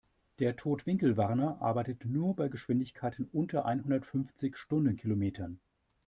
Der Totwinkelwarner arbeitet nur bei Geschwindigkeiten unter einhundertfünfzig Stundenkilometern.